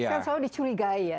kan selalu dicurigai ya